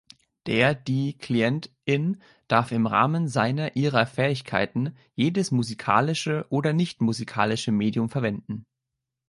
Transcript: Der/die Klient/in darf im Rahmen seiner/ihrer Fähigkeiten jedes musikalische oder nichtmusikalische Medium verwenden.